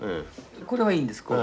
これはいいんですこう。